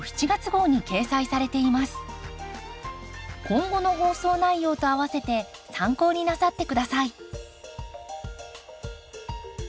今後の放送内容とあわせて参考になさって下さい。